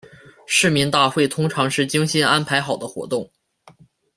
市民大会通常是精心安排好的活动。